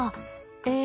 え